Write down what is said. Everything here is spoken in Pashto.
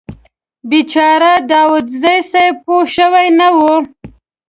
بیچاره داوودزی صیب پوه شوي نه و.